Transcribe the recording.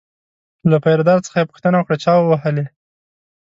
له پیره دار څخه یې پوښتنه وکړه چا ووهلی.